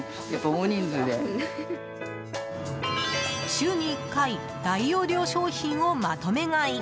週に１回大容量商品をまとめ買い。